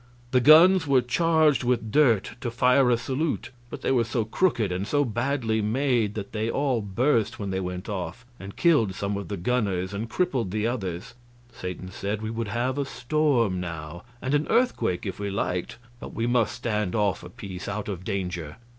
The guns were charged with dirt, to fire a salute, but they were so crooked and so badly made that they all burst when they went off, and killed some of the gunners and crippled the others. Satan said we would have a storm now, and an earthquake, if we liked, but we must stand off a piece, out of danger.